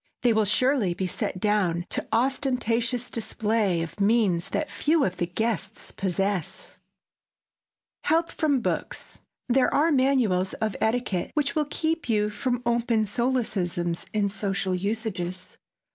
They will surely be set down to ostentatious display of means that few of the guests possess. [Sidenote: HELP FROM BOOKS] There are manuals of etiquette which will keep you from open solecisms in social usages.